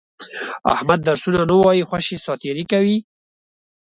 احمد درسونه نه وایي، خوشې ساتېري کوي.